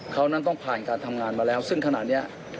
เขานั้นต้องผ่านการทำงานมาแล้วซึ่งขณะนี้